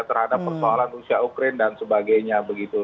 terhadap persoalan rusia ukraine dan sebagainya begitu